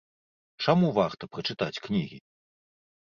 Чаму варта прачытаць кнігі?